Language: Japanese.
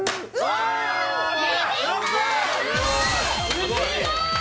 すごい！